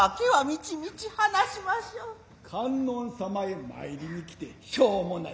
観音様へ詣りに来てしょうもない